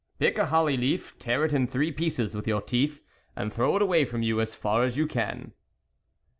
" Pick a holly leaf, tear it in three pieces with your teeth, and throw it away from you, as far as you can."